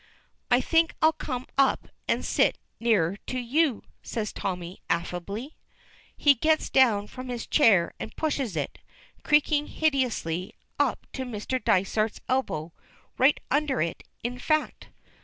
"I think I'll come up and sit nearer to you," says Tommy, affably. He gets down from his chair and pushes it, creaking hideously, up to Mr. Dysart's elbow right under it, in fact.